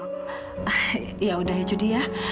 eh ya udah ya jodi ya